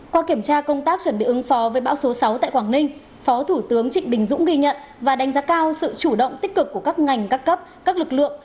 qua kiểm tra công tác chuẩn bị ứng phó với bão số sáu tại quảng ninh phó thủ tướng trịnh đình dũng ghi nhận và đánh giá cao sự chủ động tích cực của các ngành các cấp các lực lượng